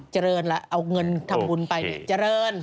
เจริญแล้วเอาเงินทำบุญไปเจริญ